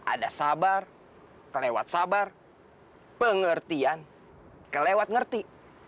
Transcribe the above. ada sabar kelewat sabar pengertian kelewat ngerti